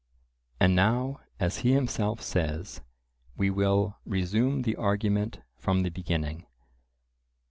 And now, as he himself says, we will "resume the argument from the beginning."